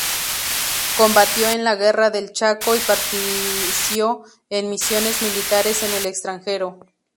Combatió en la Guerra del Chaco y partició en misiones militares en el extranjero.